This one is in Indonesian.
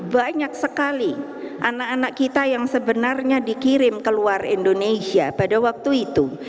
banyak sekali anak anak kita yang sebenarnya dikirim ke luar indonesia pada waktu itu